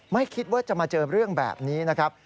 ไม่คิดว่าจะมาเจอเรื่องแบบนี้นะครับ